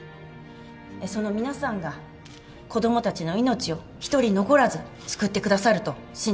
その皆さんが子供たちの命を一人残らず救ってくださると信じています。